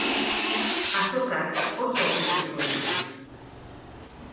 Azokak oso gustuko ditut.